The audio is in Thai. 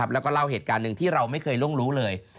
แล้วก็เล่าเหตุการณ์หนึ่งที่เราไม่เคยล่วงรู้เลย